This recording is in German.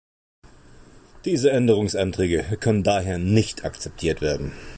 Diese Änderungsanträge können daher nicht akzeptiert werden.